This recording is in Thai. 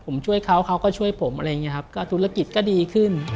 ผมช่วยเขาเขาก็ช่วยผมอะไรอย่างเงี้ครับก็ธุรกิจก็ดีขึ้น